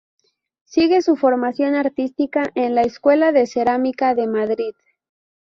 Sigue su formación artística en la Escuela de Cerámica de Madrid.